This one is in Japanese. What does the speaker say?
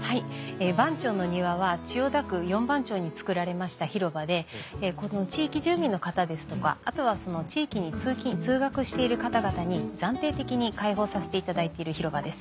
番町の庭は千代田区四番町に造られました広場で地域住民の方ですとかあとは地域に通勤通学している方々に暫定的に開放させていただいている広場です。